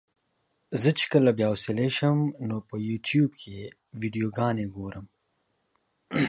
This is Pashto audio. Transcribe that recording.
زه چې کله بې حوصلې شم نو په يوټيوب کې ويډيوګانې ګورم.